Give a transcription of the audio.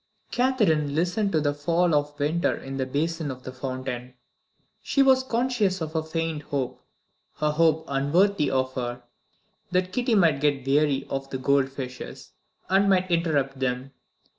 Catherine listened to the fall of water in the basin of the fountain. She was conscious of a faint hope a hope unworthy of her that Kitty might get weary of the gold fishes, and might interrupt them.